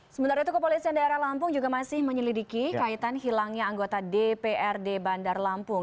sementara itu kepolisian daerah lampung juga masih menyelidiki kaitan hilangnya anggota dprd bandar lampung